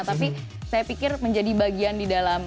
tapi saya pikir menjadi bagian di dalam